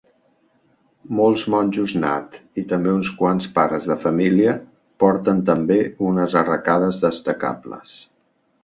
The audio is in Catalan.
Molts monjos Nath i també uns quants pares de família porten també unes arracades destacables.